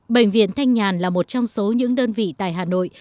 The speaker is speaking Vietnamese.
bệnh viện thanh nhàn là một trong số những đơn vị tại hà nội